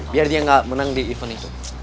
biar dia nggak menang di event itu